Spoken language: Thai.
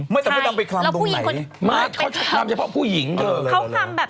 ไม่แต่ไม่ต้องไปคลำตรงไหนเขาจะคลำเฉพาะผู้หญิงเดี๋ยวเลย